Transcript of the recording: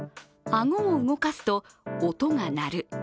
顎を動かすと音が鳴る。